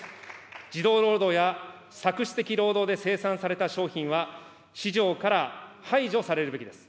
児童労働や搾取的労働で生産された商品は、市場から排除されるべきです。